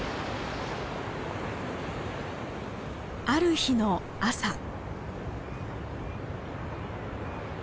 ある日の朝。